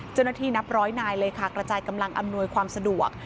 เจ้าหน้าที่นับร้อยนายเลยค่ะกระจายกำลังอำนวยความสะดวก